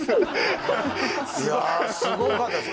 いやすごかったです